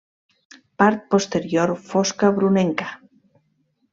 Part posterior fosca brunenca.